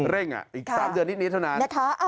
เร่งอ่ะอีก๓เดือนนิดเท่านั้น